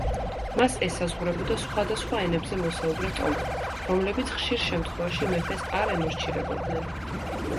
მას ესაზღვრებოდა სხვადასხვა ენებზე მოსაუბრე ტომები, რომლებიც ხშირ შემთხვევაში მეფეს არ ემორჩილებოდნენ.